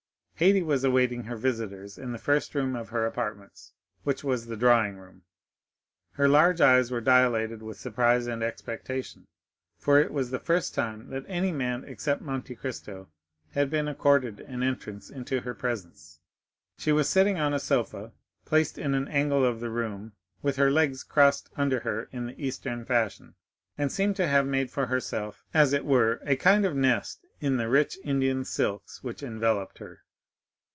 Haydée was awaiting her visitors in the first room of her apartments, which was the drawing room. Her large eyes were dilated with surprise and expectation, for it was the first time that any man, except Monte Cristo, had been accorded an entrance into her presence. She was sitting on a sofa placed in an angle of the room, with her legs crossed under her in the Eastern fashion, and seemed to have made for herself, as it were, a kind of nest in the rich Indian silks which enveloped her.